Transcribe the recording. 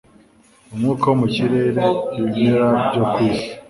Umwuka wo mu kirere ibimera byo ku isi